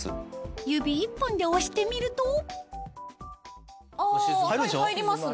指一本で押してみると入りますね。